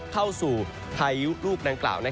เข้าสู่พายุลูกดังกล่าว